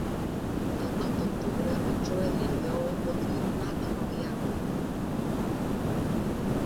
El nou d'octubre en Joel i en Lleó voldrien anar a Meliana.